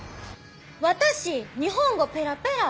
私日本語ペラペラ！